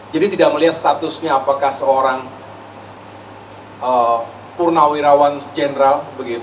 jadi tidak melihat statusnya apakah seorang purnawirawan jeneral